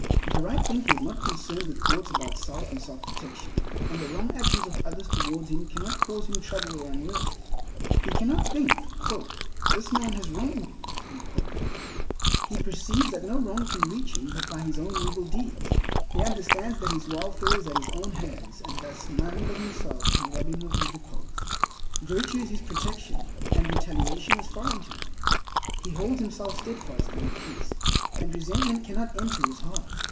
The right thinker is not concerned with thoughts about self and self protection, and the wrong actions of others towards him cannot cause him trouble or unrest. He cannot think—"This man has wronged me." He perceives that no wrong can reach him but by his own evil deeds. He understands that his welfare is at his own hands, and thus none but himself can rob him of repose. Virtue is his protection, and retaliation is foreign to him. He holds himself steadfastly in peace, and resentment cannot enter his heart.